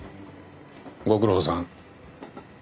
ご苦労さん。